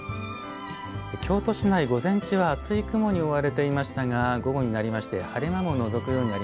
京都市内午前中は厚い雲に覆われていましたが午後になりまして晴れ間ものぞくようになりました。